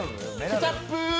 ケチャップ！